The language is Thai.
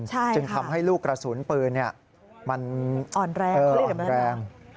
จึงทำให้ลูกกระสุนปืนมันแรง